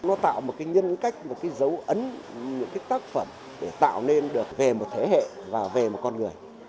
nó tạo một cái nhân cách một cái dấu ấn những cái tác phẩm để tạo nên được về một thế hệ và về một con người